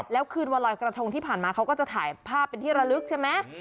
แล้วคืนวันลอยกระทงที่ผ่านมาเขาก็จะถ่ายภาพเป็นที่ระลึกใช่ไหม